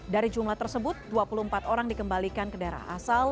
dari jumlah tersebut dua puluh empat orang dikembalikan ke daerah asal